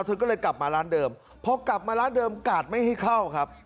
เธอก็เลยกลับมาร้านเดิมพอกลับมาร้านเดิมกาดไม่ให้เข้าครับ